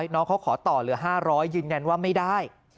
น้องเขาขอต่อเหลือ๕๐๐ยืนยันว่าไม่ได้